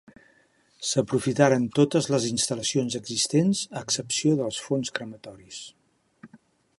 S'aprofitaren totes les instal·lacions existents a excepció dels fons crematoris.